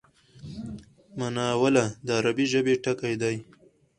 مناوله د عربي ژبی ټکی دﺉ.